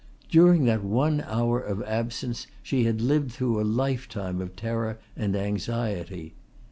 During that one hour of absence she had lived through a lifetime of terror and anxiety.